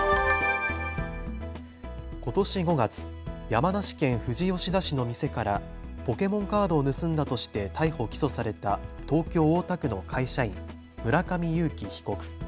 ことし５月、山梨県富士吉田市の店からポケモンカードを盗んだとして逮捕・起訴された東京大田区の会社員、村上友貴被告。